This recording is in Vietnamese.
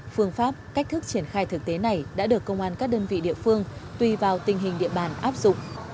phương pháp cách thức triển khai thực tế này đã được công an các đơn vị địa phương tùy vào tình hình địa bàn áp dụng